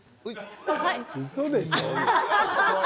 うそでしょ？